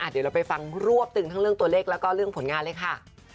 เดี๋ยวเราไปฟังรวบตึงทั้งเรื่องตัวเลขแล้วก็เรื่องผลงานเลยค่ะ